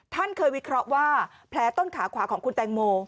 ท่านเคยวิเคราะห์ว่าแผลต้นขาขวาของคุณแตงโม